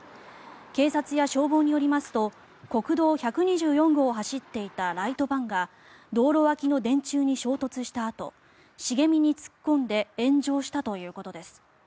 警察や消防によりますと国道１２４号を走っていたライトバンが道路脇の電柱に衝突したあと茂みに突っ込んで炎上したということです。